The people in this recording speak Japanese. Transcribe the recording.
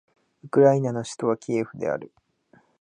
ウクライナの首都はキエフである